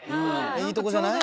いいとこじゃない？